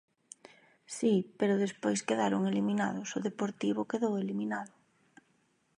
Si, pero despois quedaron eliminados; o Deportivo quedou eliminado.